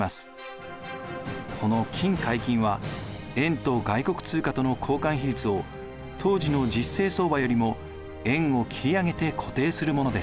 この金解禁は円と外国通貨との交換比率を当時の実勢相場よりも円を切り上げて固定するものでした。